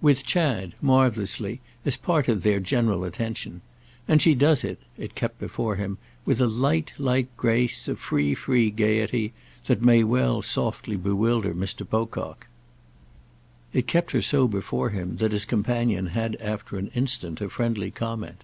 "With Chad—marvellously—as part of their general attention. And she does it"—it kept before him—"with a light, light grace, a free, free gaiety, that may well softly bewilder Mr. Pocock." It kept her so before him that his companion had after an instant a friendly comment.